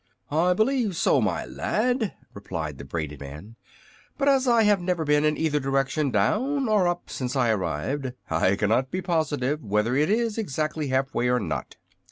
"I believe so, my lad," replied the braided man. "But as I have never been in either direction, down or up, since I arrived, I cannot be positive whether it is exactly half way or not."